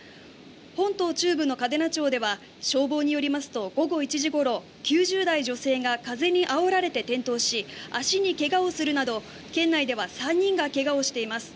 本島中部の嘉手納町では消防によりますと午後１時ごろ、９０代女性が風にあおられて転倒し足にけがをするなど県内では３人がけがをしています。